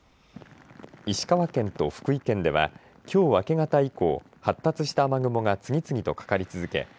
石川県と福井県ではきょう明け方以降発達した雨雲が次々とかかり続け